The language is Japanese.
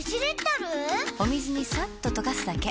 お水にさっと溶かすだけ。